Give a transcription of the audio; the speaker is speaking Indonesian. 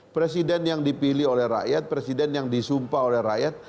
presiden yang dipilih oleh rakyat presiden yang disumpah oleh rakyat